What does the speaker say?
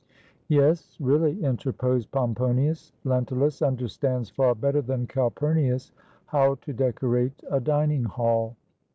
"Yes, really," interposed Pomponius, "Lentulus understands far better than Calpumius how to decorate a dining hall.